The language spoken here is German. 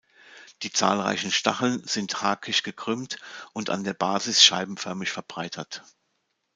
Die zahlreichen Stacheln sind hakig gekrümmt und an der Basis scheibenförmig verbreitert.